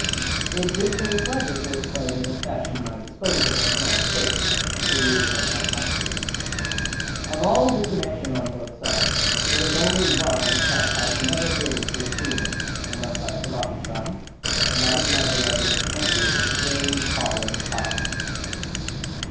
"It gives me pleasure to explain in this fashion my disposal of my estate," the reader went on, huskily. "Of all the connection on both sides, there is only one that has never been to see me, unless I've forgotten some, and that is my beloved nephew, James Harlan Carr."